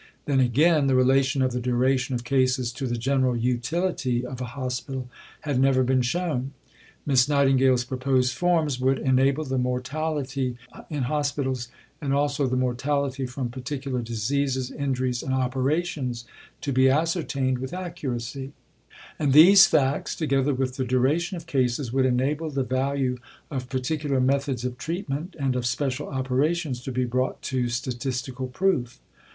Then, again, the relation of the duration of cases to the general utility of a hospital had never been shown. Miss Nightingale's proposed forms "would enable the mortality in hospitals, and also the mortality from particular diseases, injuries, and operations, to be ascertained with accuracy; and these facts, together with the duration of cases, would enable the value of particular methods of treatment and of special operations to be brought to statistical proof.